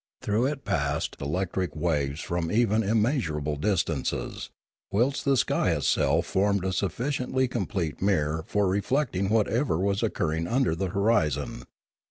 Through it passed electric waves from even immeasurable distances, whilst the sky itself formed a sufficiently complete mirror for reflecting whatever was occurring under the horizon.